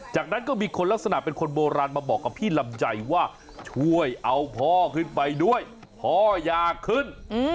จากนั้นก็มีคนลักษณะเป็นคนโบราณมาบอกกับพี่ลำไยว่าช่วยเอาพ่อขึ้นไปด้วยพ่ออยากขึ้น